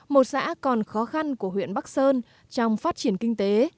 một xã còn khó khăn của huyện bắc sơn trong phát triển kinh tế